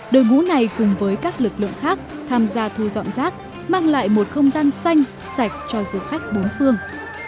đội ngũ này cùng với các lực lượng khác tham gia thu dọn rác mang lại một không gian xanh sạch cho du khách bốn phương